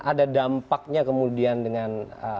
ada dampaknya kemudian dengan